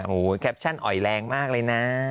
โอ้โหแคปชั่นอ่อยแรงมากเลยนะ